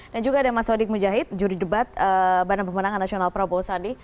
dan juga ada mas wadik mujahid juri debat badan pemenang nasional prabowo sandi